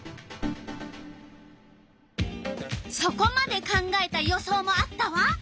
そこまで考えた予想もあったわ。